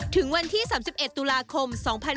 ถึงวันที่๓๑ตุลาคม๒๕๖๒